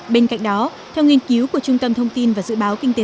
bên cạnh đó theo nghiên cứu của trung tâm thông tin và dự báo kinh tế